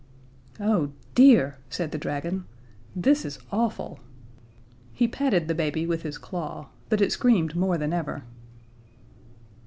"Oh, dear," said the dragon, "this is awful." He patted the baby with his claw, but it screamed more than ever.